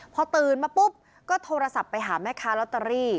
พอตื่นมาปุ๊บก็โทรศัพท์ไปหาแม่ค้าลอตเตอรี่